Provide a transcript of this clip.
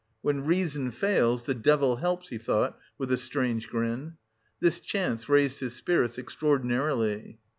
"When reason fails, the devil helps!" he thought with a strange grin. This chance raised his spirits extraordinarily.